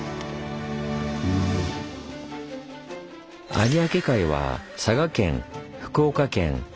有明海は佐賀県福岡県長崎県